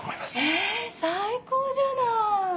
え最高じゃない！